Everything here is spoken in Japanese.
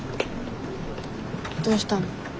どうしたの？